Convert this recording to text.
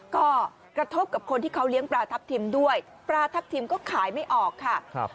ก็กระทบกับคนที่เขาเลี้ยงปลาทับทิมด้วยปลาทับทิมก็ขายไม่ออกค่ะ